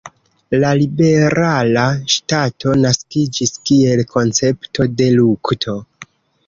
La Liberala Ŝtato naskiĝis kiel koncepto de lukto.